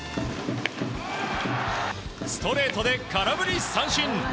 ストレートで空振り三振！